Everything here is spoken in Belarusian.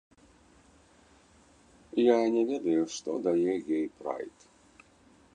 Я не ведаю, што дае гей-прайд.